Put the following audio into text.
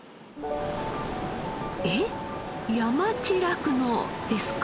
えっ山地酪農ですか？